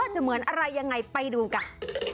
จะเหมือนอะไรยังไงไปดูกัน